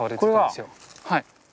はい。